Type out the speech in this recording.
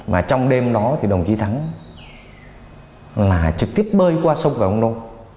mà trong đêm đó thì đồng chí thắng là trực tiếp bơi qua sông vàng nông